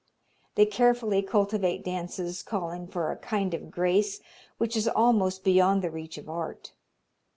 They carefully cultivate dances calling for a kind of grace which is almost beyond the reach of art.